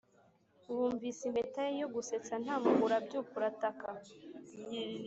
wumvise impeta ye yo gusetsa nta mpuhwe, urabyuka urataka;